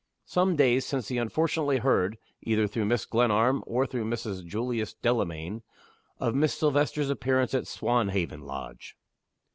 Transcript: Some days since he unfortunately heard (either through Mrs. Glenarm or through Mrs. Julius Delamayn) of Miss Silvester's appearance at Swanhaven Lodge.